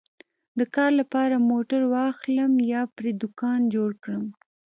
د کار لپاره موټر واخلم یا پرې دوکان جوړ کړم